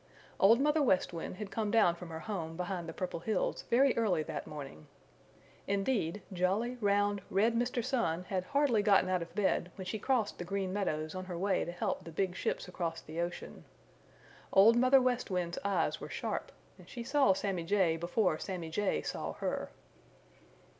Old Mother West Wind had come down from her home behind the Purple Hills very early that morning. Indeed, jolly, round, red Mr. Sun had hardly gotten out of bed when she crossed the Green Meadows on her way to help the big ships across the ocean. Old Mother West Wind's eyes were sharp, and she saw Sammy Jay before Sammy Jay saw her.